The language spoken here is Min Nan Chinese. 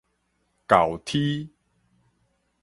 厚麶